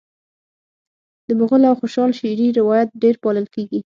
د مغل او خوشحال شعري روایت ډېر پالل کیږي